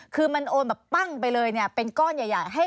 คือเอาอย่างนี้เอาอย่างนี้